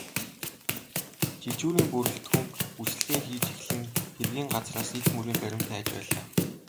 Жижүүрийн бүрэлдэхүүн үзлэгээ хийж эхлэн хэргийн газраас эд мөрийн баримт хайж байлаа.